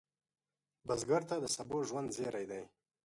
بزګر ته د سبو ژوند زېری دی